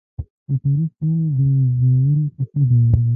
د تاریخ پاڼې د زړورو کیسې بیانوي.